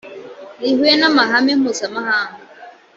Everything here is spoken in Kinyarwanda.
rihuye n amahame mpuzamahanga